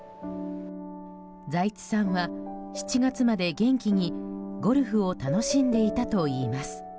財津さんは７月まで元気にゴルフを楽しんでいたといいます。